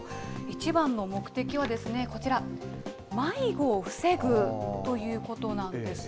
一番の目的は、こちら、迷子を防ぐということなんです。